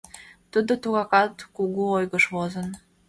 — Тудо тугакат кугу ойгыш возын.